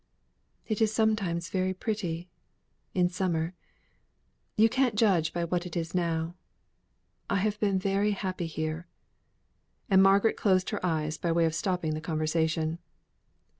"It is sometimes very pretty in summer; you can't judge by what it is now. I have been very happy here," and Margaret closed her eyes by way of stopping the conversation.